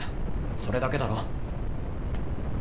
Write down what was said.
それだけだろ。